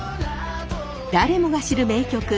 誰もが知る名曲